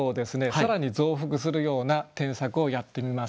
更に増幅するような添削をやってみます。